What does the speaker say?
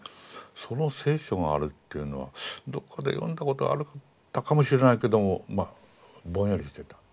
その聖書があるっていうのはどっかで読んだことはあったかもしれないけどもまあぼんやりしていた。